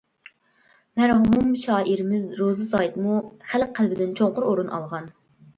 مەرھۇم شائىرىمىز روزى سايىتمۇ خەلق قەلبىدىن چوڭقۇر ئورۇن ئالغان.